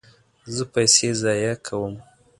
زه پیسې ضایع کوم